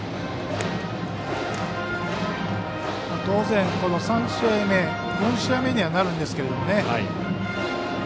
当然、３試合目４試合目にはなるんですけどね。